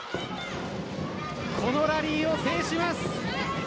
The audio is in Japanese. このラリーを制します。